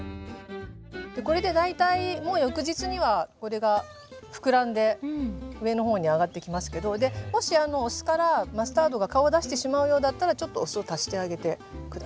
これで大体もう翌日にはこれが膨らんで上の方に上がってきますけどもしお酢からマスタードが顔を出してしまうようだったらちょっとお酢を足してあげて下さい。